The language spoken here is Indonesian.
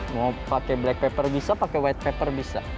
mau pakai black pepper bisa pakai white pepper bisa